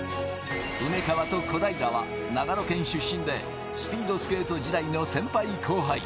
梅川と小平は長野県出身で、スピードスケート時代の先輩、後輩。